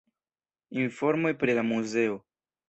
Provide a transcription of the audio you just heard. Informoj pri la muzeo.